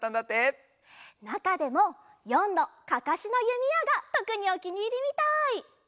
なかでも４のかかしのゆみやがとくにおきにいりみたい！